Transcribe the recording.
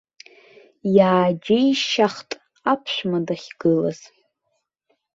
Иааџьеишьахт аԥшәма дахьгылаз.